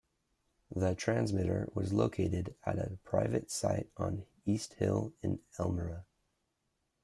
The transmitter was located at a private site on East Hill in Elmira.